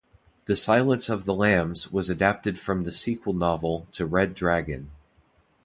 "The Silence of the Lambs" was adapted from the sequel novel to "Red Dragon.